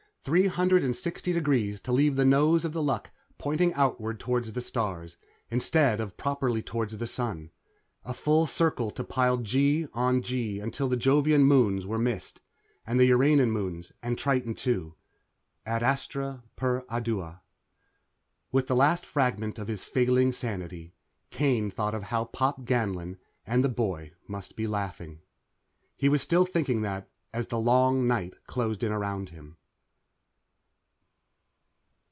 Three hundred sixty degrees to leave the nose of The Luck pointing outward toward the stars, instead of properly toward the Sun. A full circle to pile G on G until the Jovian moons were missed, and the Uranian moons and Triton, too. Ad Astra per Ardua.... With the last fragment of his failing sanity, Kane thought of how Pop Ganlon and the boy must be laughing. He was still thinking that as the long night closed in around him.